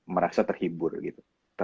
merasa terhibur gitu